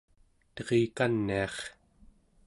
terikaniar